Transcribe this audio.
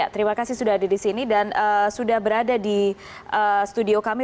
terima kasih sudah ada di sini dan sudah berada di studio kami